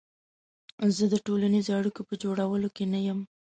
زه د ټولنیزو اړیکو په جوړولو کې نه یم.